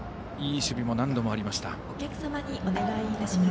いい守備も何度もありました。